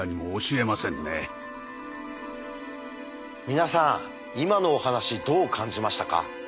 皆さん今のお話どう感じましたか？